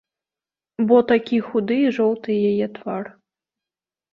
Бо такі худы і жоўты яе твар.